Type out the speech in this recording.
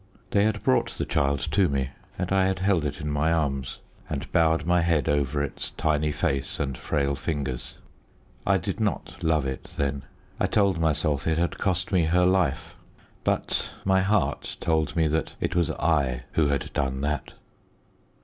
They had brought the child to me, and I had held it in my arms, and bowed my head over its tiny face and frail fingers. I did not love it then. I told myself it had cost me her life. But my heart told me that it was I who had done that.